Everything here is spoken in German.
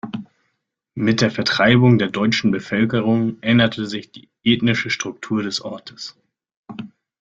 Mit der Vertreibung der deutschen Bevölkerung änderte sich die ethnische Struktur des Ortes.